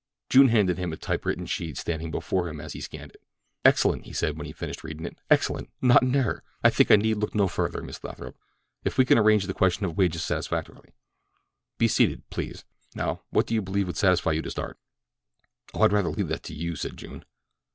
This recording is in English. June handed him a typewritten sheet, standing before him as he scanned it. "Excellent!" he said when he had finished reading it. "Excellent! Not an error. I think I need look no further, Miss Lathrop, if we can arrange the question of wages satisfactorily. Be seated, please. Now, what do you believe would satisfy you to start?" "Oh, I'd rather leave that to you," said June.